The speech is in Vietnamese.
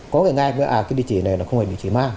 có người nghe à cái địa chỉ này nó không phải địa chỉ ma